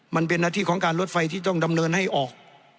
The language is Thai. มันเป็นหน้าที่ของการรถไฟที่ต้องดำเนินให้ออก